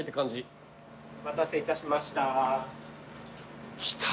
お待たせいたしました。来た。